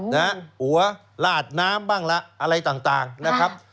หัวลาดน้ำบ้างละอะไรต่างนะครับ